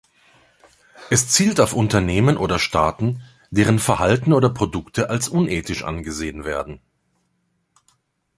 Es zielt auf Unternehmen oder Staaten, deren Verhalten oder Produkte als unethisch angesehen werden.